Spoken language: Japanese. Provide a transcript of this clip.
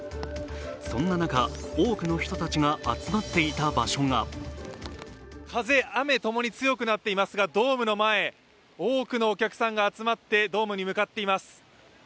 そんな中、多くの人たちが集まっていた場所が風雨共に強くなっていますがドームの前、多くのお客さんが集まってドームに向かっています。